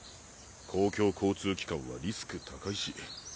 公共交通機関はリスク高いし。